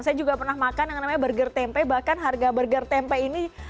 saya juga pernah makan